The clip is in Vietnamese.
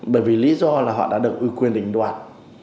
bởi vì lý do là họ đã được ủy quyền định đoạt